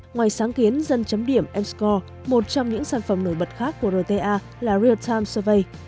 ngoài sáng kiến dân chấm điểm emscore một trong những sản phẩm nổi bật khác của rta là real time survey